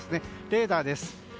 レーダーです。